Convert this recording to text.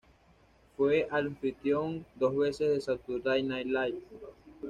Fue anfitrión dos veces de "Saturday Night Live".